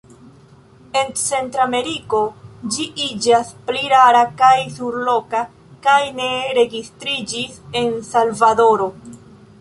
En Centrameriko ĝi iĝas pli rara kaj surloka, kaj ne registriĝis en Salvadoro.